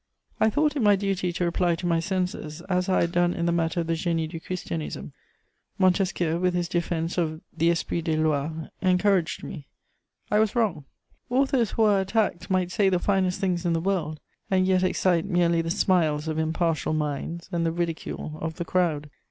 I thought it my duty to reply to my censors, as I had done in the matter of the Génie du Christianisme. Montesquieu, with his defense of the Esprit des lois, encouraged me. I was wrong. Authors who are attacked might say the finest things in the world, and yet excite merely the smiles of impartial minds and the ridicule of the crowd.